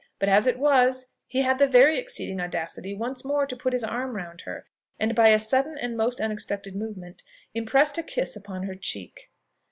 But, as it was, he had the very exceeding audacity once more to put his arm round her, and, by a sudden and most unexpected movement, impressed a kiss upon her cheek.